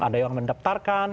ada yang mendaptarkan